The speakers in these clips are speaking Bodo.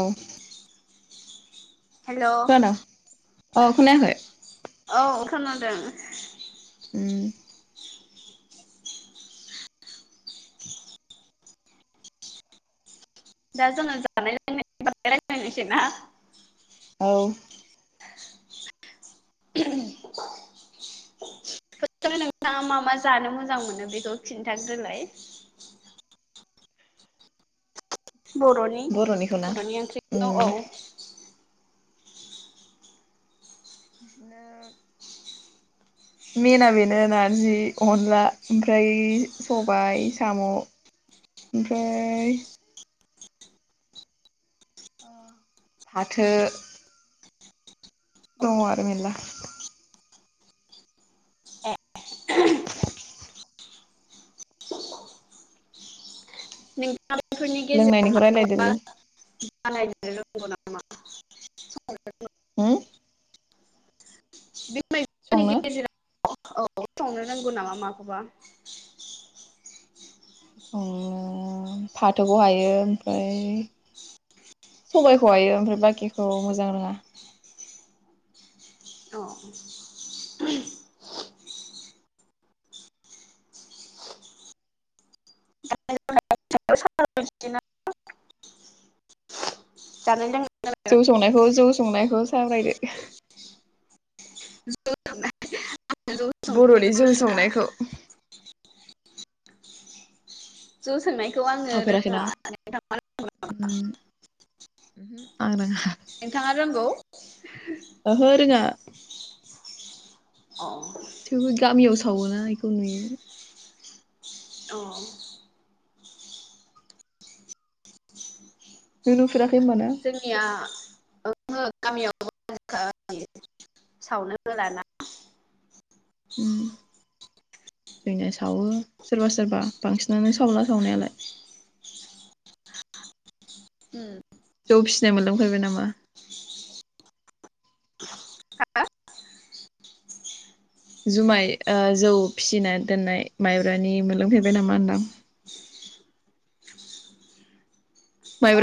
औ। हेलौ खोनादों औ खोनायाखै औ खोनादों। ओम। दा जोङो जानाय-लोंनायनि बागै रायलायनोसै ना। औ। [unintelligible] नोंथाङा मा मा जानो मोजां मोनो बेखौ खिन्थाग्रोलाय बर'नि बर'निखौना बर'नि ओंख्रि औ उम औ। ओ बिदिनो [inaudible] मेना बेनो नार्जि, अनला ओमफ्राय सबाइ, साम' ओमफ्राय फाथो। दङ' आरो मेला ए लोंनायनिखौ रायलायदोलै [unintelligible] [unintelligible] होम? बे मैगंफोरनि संनो गेजेराव औ संनो रोंगौ नामा माखौबा? संनो फाथोखौ हायो ओमफ्राय सबाइखौ हायो ओमफ्राय बाखिखौ मोजां रोङा अ [unintelligible] जानाय-लोंनाय जौ संनायखौ जौ संनायखौ सावरायदो। [unintelligible] जौ बर'नि संनायखौ जौ रोङा संनायखौ जौ संनायखौ आङो सावफेराखैना रोङा नोंथाङा रोंगौ नामा? उम आं रोङा नोंथाङा रोंगौ? ओहो रोङा अ थेवबो गामियाव सावोना बेखौ नुयो औ नों नुफेराखै होनबाना [unintelligible] याव गामियाव सावनो होलाना उम जोंनिया सावो सोरबा सोरबा बांसिनानो सावला सावनायालाय उम जौ फिसिनाय मोनलों फेरबाय नामा जुमाय जौ फिसिना दोननाय माइब्रानि मोनलोमफेरबाय नामा होनदां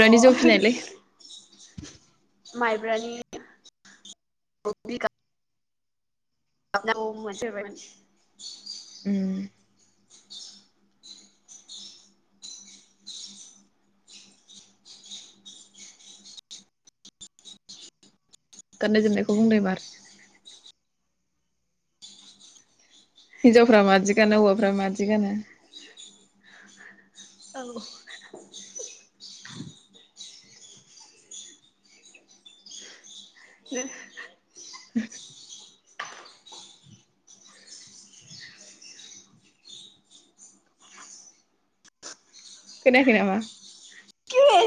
अ जौ फिनायलाय माइब्रानि [unintelligible] [unintelligible] उम गाननाय जोमनायखौ बुंदो इबार हिनजावफ्रा मादि गानो हौवाफ्रा मादि गानो? औ [unintelligible] [inaudible] खोनायाखै नामा औ